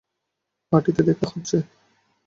পার্টিতে দেখা হচ্ছে।